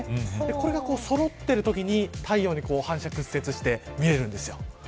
これが、そろってるときに太陽に反射屈折して見えるんです。